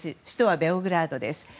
首都はベオグラードです。